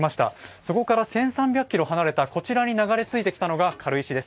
そこから１３００ｋｍ離れたところに流れ着いたのが軽石です。